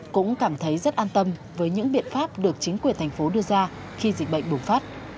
cũng cảm thấy rất an tâm với những biện pháp được chính quyền thành phố đưa ra khi dịch bệnh bùng phát